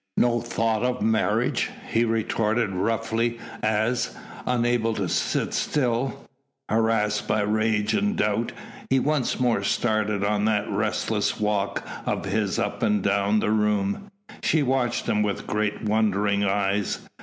"No thought of marriage!" he retorted roughly as, unable to sit still, harassed by rage and doubt, he once more started on that restless walk of his up and down the room. She watched him with great wondering eyes.